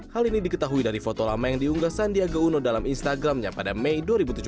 hal ini diketahui dari foto lama yang diunggah sandiaga uno dalam instagramnya pada mei dua ribu tujuh belas